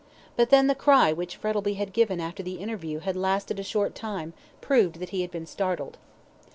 But then the cry which Frettlby had given after the interview had lasted a short time proved that he had been startled.